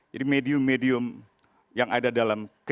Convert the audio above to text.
jadi medium medium yang ada dalam krisis